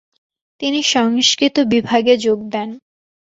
তিনি সংস্কৃত বিভাগে যোগ দেন।